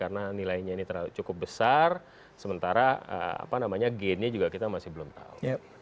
karena nilainya ini cukup besar sementara apa namanya gini juga kita masih belum tahu